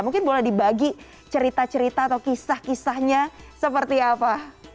mungkin boleh dibagi cerita cerita atau kisah kisahnya seperti apa